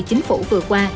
chính phủ vừa qua